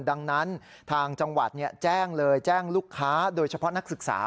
ดังนั้นทางจังหวัดแจ้งเลยแจ้งลูกค้าโดยเฉพาะนักศึกษา